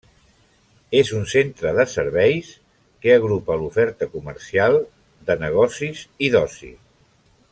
És un centre de serveis que agrupa l'oferta comercial, de negocis i d'oci.